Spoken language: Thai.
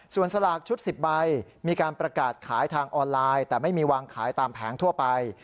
ส่วนสลากชุด๑๐ใบมีการประกาศขายทางออนไลน์แต่ไม่มีวางขายตามแผงทั่วไป